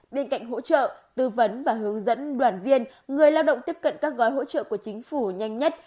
bên cạnh hỗ trợ tư vấn và hướng dẫn đoàn viên người lao động tiếp cận các gói hỗ trợ của chính phủ nhanh nhất